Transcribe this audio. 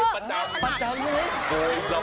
ประจำประจำเลย